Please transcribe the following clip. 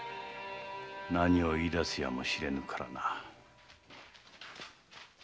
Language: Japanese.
何を言い出すやもしれぬからな。